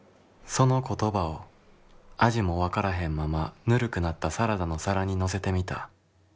「その言葉を味も分からへんままぬるくなったサラダの皿に乗せてみた。